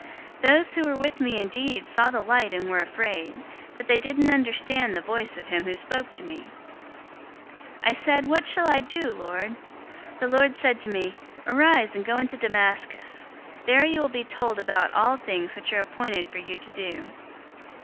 022:009 "Those who were with me indeed saw the light and were afraid, but they didn't understand the voice of him who spoke to me. 022:010 I said, 'What shall I do, Lord?' The Lord said to me, 'Arise, and go into Damascus. There you will be told about all things which are appointed for you to do.'